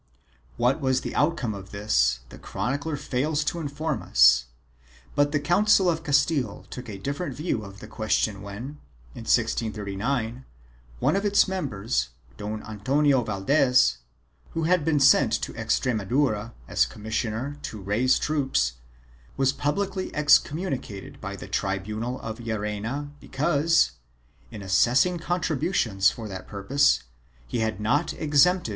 4 What was the outcome of this the chronicler fails to inform us, but the Council of Castile took a different view of the question when, in 1639, one of its members, Don Antonio Valdes, who had been sent to Extre madura as commissioner to raise troops, was publicly excom municated by the tribunal of Llerena because, in assessing con 1 Constitutions del Cort de 1599, n. 51 (Barcelona, 1603, fol.